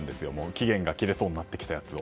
期限が切れそうになってきたやつを。